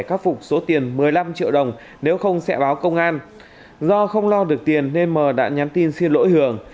khắc phục số tiền một mươi năm triệu đồng nếu không sẽ báo công an do không lo được tiền nên m đã nhắn tin xin lỗi hưởng